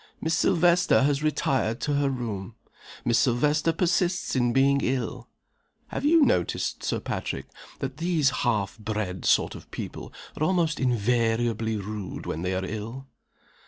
"Miss Silvester has retired to her room. Miss Silvester persists in being ill. Have you noticed, Sir Patrick, that these half bred sort of people are almost invariably rude when they are ill?"